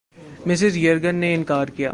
Mrs Jurgen نے اِنکار کِیا